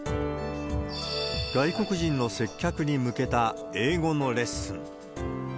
外国人の接客に向けた英語のレッスン。